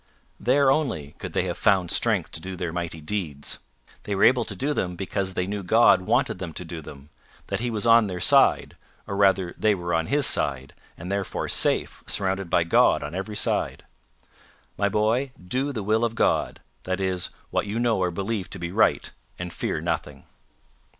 There only could they have found strength to do their mighty deeds. They were able to do them because they knew God wanted them to do them, that he was on their side, or rather they were on his side, and therefore safe, surrounded by God on every side. My boy, do the will of God that is, what you know or believe to be right, and fear nothing."